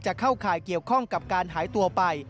เข้าข่ายเกี่ยวข้องกับการหายตัวไป